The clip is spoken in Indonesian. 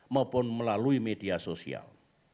maupun melalui media sosial